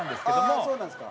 ああそうなんですか。